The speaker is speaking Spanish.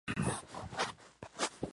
Nunca fue consagrado por el Papa.